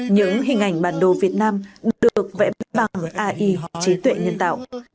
những hình ảnh bản đồ việt nam được vẽ bằng ai trí tuệ nhân tạo